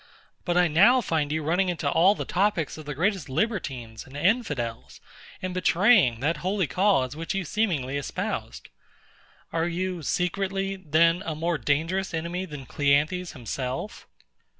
But I now find you running into all the topics of the greatest libertines and infidels, and betraying that holy cause which you seemingly espoused. Are you secretly, then, a more dangerous enemy than CLEANTHES himself?